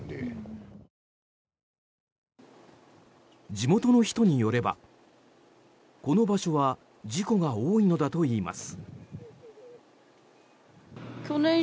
地元の人によれば、この場所は事故が多いのだといいます。